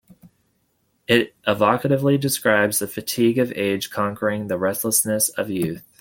It evocatively describes the fatigue of age conquering the restlessness of youth.